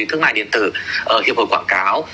thương mại điện tử hiệp hội quảng cáo